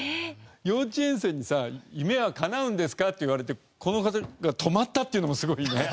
幼稚園生にさ「夢はかなうんですか？」って言われてこの方が止まったっていうのもすごいよね。